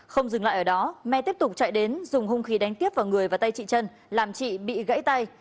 không dừng lại ở đó mê tiếp tục chạy đến dùng hung khí đánh kiếp vào người và tay chị trần làm chị bị gãy tay